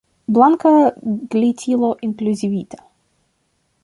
Blanka glitilo inkluzivita.